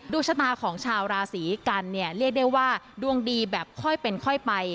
ชะตาของชาวราศีกันเนี่ยเรียกได้ว่าดวงดีแบบค่อยเป็นค่อยไป